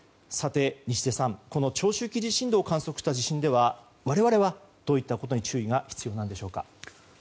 西出さん、この長周期地震動を観測した地震では我々はどういったことに注意が必要なんでしょうか。